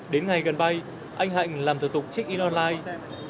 đến ngày gần bay anh hạnh làm thờ tục check in online